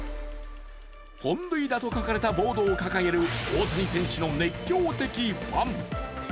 「本塁打」と書かれたボードを掲げる大谷選手の熱狂的ファン。